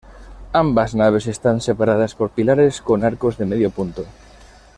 Ambas naves están separadas por pilares con arcos de medio punto.